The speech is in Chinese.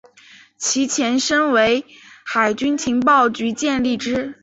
其前身为海军情报局建立之。